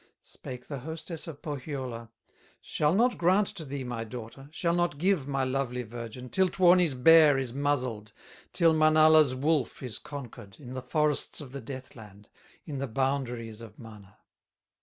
Spake the hostess of Pohyola: "Shall not grant to thee my daughter, Shall not give my lovely virgin, Till Tuoni's bear is muzzled, Till Manala's wolf is conquered, In the forests of the Death land, In the boundaries of Mana.